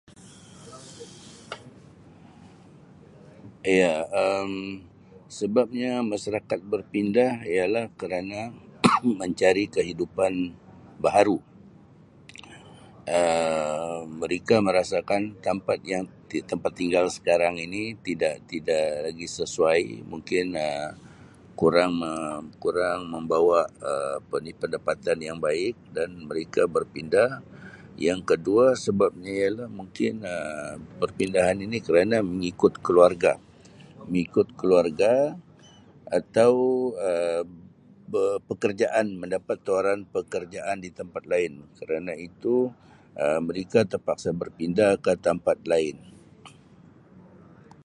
Iya Um sebabnya masyarakat berpindah ialah kerana mencari kehidupan baharu Um mereka merasakan tempat yang tempat tinggal sekarang ini tidak-tidak Um lagi sesuai mungkin Um kurang Um kurang membawa Um apa ni pendapatan yang baik dan mereka berpindah, yang kedua sebabnya ialah mungkin Um perpindahan ini kerana mengikut keluarga, mengikut keluarga atau Um be-pekerjaan, mendapat tawaran pekerjaan di tempat lain kerana itu Um mereka terpaksa berpindah ke tempat lain.